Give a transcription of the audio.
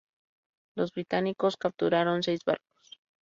Los británicos capturaron seis barcos.